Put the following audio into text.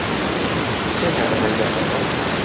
کێ کارەبای داهێنا؟